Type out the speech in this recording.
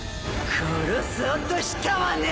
殺そうとしたわね！